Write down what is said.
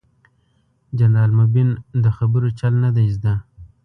جنرال مبين ده خبرو چل نه دې زده.